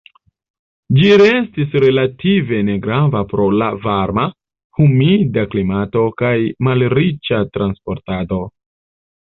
Ĝi restis relative negrava pro la varma, humida klimato kaj malriĉa transportado.